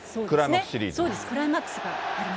そうです、クライマックスがあります。